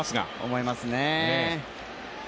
思いますね。